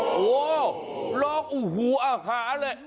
โหลองอูหูอาหารเลย